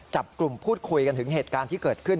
จับกลุ่มพูดคุยกันถึงเหตุการณ์ที่เกิดขึ้น